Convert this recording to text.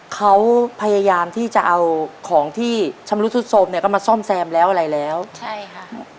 เขาพยายามที่จะเอาของที่ชำรุดสุดโทรมเนี่ยก็มาซ่อมแซมแล้วอะไรแล้วใช่ค่ะ